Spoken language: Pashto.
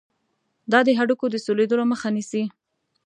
دا د هډوکو د سولیدلو مخه نیسي.